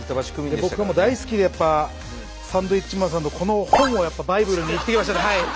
僕も大好きでやっぱサンドウィッチマンさんのこの本をやっぱバイブルに生きてきましたんで。